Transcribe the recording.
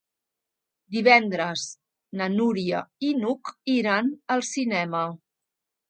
Divendres na Núria i n'Hug iran al cinema.